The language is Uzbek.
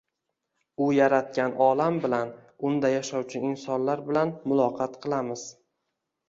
u yaratgan olam bilan, unda yashovchi insonlar bilan muloqot qilamiz